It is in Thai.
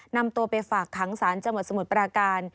นำตัวไปฝากขังศาลจสมุทรปราการ